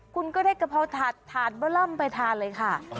คุณก็ได้กะพราวถาดถาดบ้อเริ่มไปทานเลยค่ะ